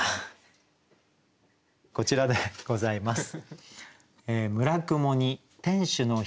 こちらでございます。